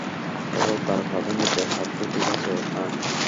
কেবল তার পা ভেঙ্গেছে, হাত তো ঠিক আছে না?